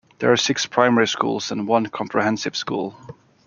There are six primary schools and one comprehensive school.